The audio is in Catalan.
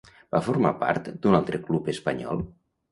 Va formar part d'un altre club espanyol?